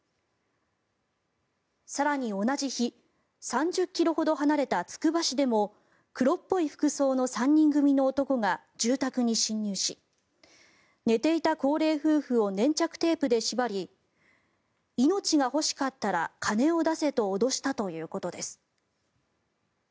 更に、同じ日３０ｋｍほど離れたつくば市でも黒っぽい服装の３人組の男が住宅に侵入し寝ていた高齢夫婦を粘着テープで縛り命が欲しかったら金を出せと脅したということです。